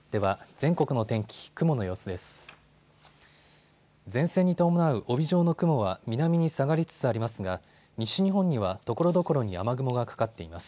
前線に伴う帯状の雲は南に下がりつつありますが西日本にはところどころに雨雲がかかっています。